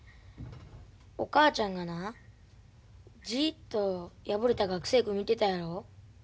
お母ちゃんがなじっと破れた学生服見てたやろ？